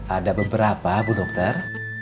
ada beberapa bu dokter